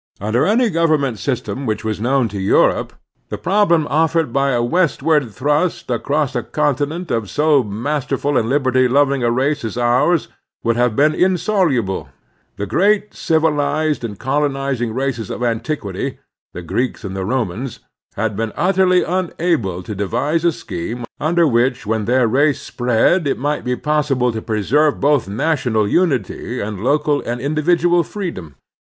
Under any governmental system which was known to Europe, the problem offered by the westward thrust, across a continent, of so master ful and liberty loving a race as ours would have been insoluble. The great civilized and colonizing races of antiquity, the Greeks and the Romans, had been utterly tmable to devise a scheme under which when their race spread it might be possible to preserve both national tmity and local and indi vidual freedom.